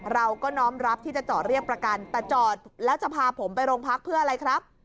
เราก็น้อมรับที่จะจอดเรียกประกันแต่จอดแล้วจะพาผมไปโรงพักเพื่ออะไรครับ